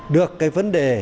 được cái vấn đề